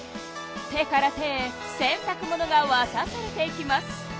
手から手へ洗たく物がわたされていきます。